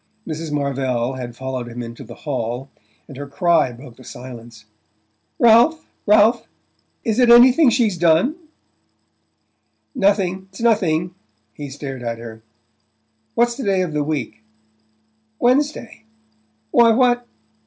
Mrs. Marvell had followed him into the hall, and her cry broke the silence. "Ralph Ralph is it anything she's done?" "Nothing it's nothing." He stared at her. "What's the day of the week?" "Wednesday. Why, what